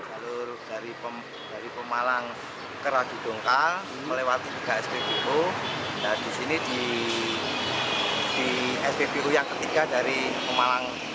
jalur dari pemalang ke randu dongkal